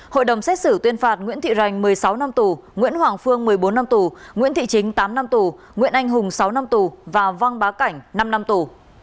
hội đồng xét xử tuyên phạt nguyễn thị rành một mươi sáu năm tù nguyễn hoàng phương một mươi bốn năm tù nguyễn thị chính tám năm tù nguyễn anh hùng sáu năm tù và văn bá cảnh năm năm tù